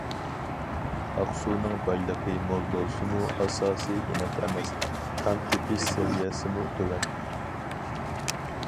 ئاقسۇنىڭ بايلىقى مول بولسىمۇ، ئاساسى ئېنىق ئەمەس، كان تېپىش سەۋىيەسىمۇ تۆۋەن.